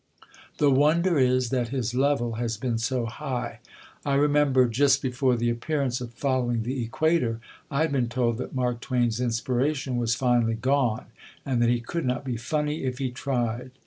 The wonder is that his level has been so high. I remember, just before the appearance of Following the Equator, I had been told that Mark Twain's inspiration was finally gone, and that he could not be funny if he tried.